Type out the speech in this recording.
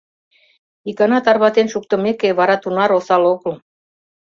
Икана тарватен шуктымеке, вара тунаре осал огыл.